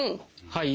はい？